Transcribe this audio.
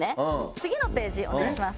次のページお願いします。